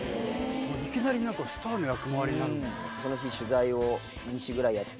いきなりスターの役回りになるんですね。